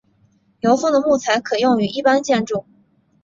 油松的木材可用于一般建筑。